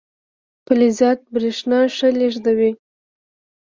فلزات برېښنا ښه لیږدوي.